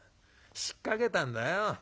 引っかけたんだよ。